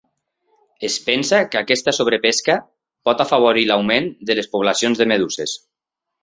Es pensa que aquesta sobrepesca pot afavorir l'augment de les poblacions de meduses.